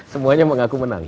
semuanya mengaku menang